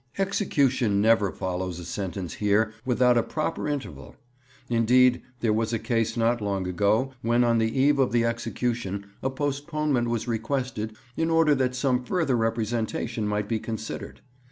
'Execution never follows a sentence here without a proper interval. Indeed, there was a case not long ago when on the eve of the execution a postponement was requested in order that some further representation might be considered.